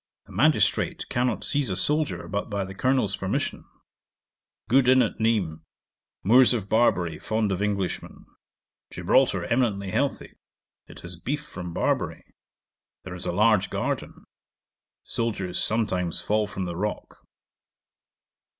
The magistrate cannot seize a soldier but by the Colonel's permission. Good inn at Nismes. Moors of Barbary fond of Englishmen. Gibraltar eminently healthy; It has beef from Barbary; There is a large garden. Soldiers sometimes fall from the rock.